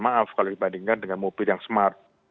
maaf kalau dibandingkan dengan mobil yang smart